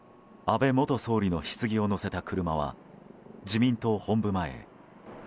安倍元総理のひつぎを乗せた車は自民党本部前へ。